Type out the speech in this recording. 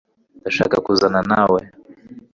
ndashaka kuzana nawe